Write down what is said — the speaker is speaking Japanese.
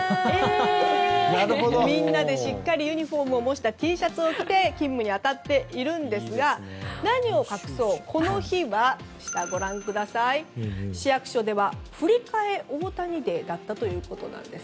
みんなでしっかりユニホームを模したＴシャツを着て勤務に当たっているんですが何を隠そう、この日は市役所では振替大谷デーだったということなんです。